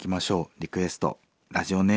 リクエストラジオネーム